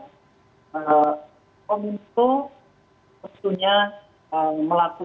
ya menteri sudah tahu yang lalu